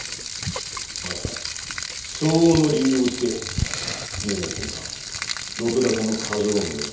また相応の理由をつけ水野家には禄高の加増もいたす。